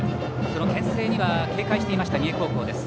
そのけん制には警戒していました三重高校です。